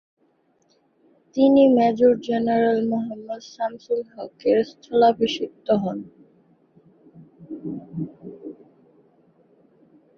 তিনি major general Mohammad Shamsul হকের স্থলাভিষিক্ত হন।